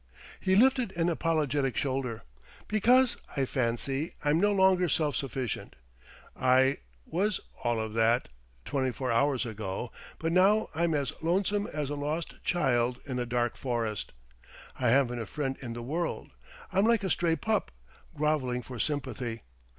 He lifted an apologetic shoulder. "Because, I fancy, I'm no longer self sufficient. I was all of that, twenty four hours ago; but now I'm as lonesome as a lost child in a dark forest. I haven't a friend in the world. I'm like a stray pup, grovelling for sympathy.